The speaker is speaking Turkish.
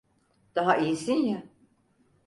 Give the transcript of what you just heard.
Daha iyisin ya?